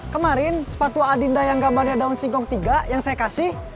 kemarin sepatu adinda yang gambarnya daun singkong tiga yang saya kasih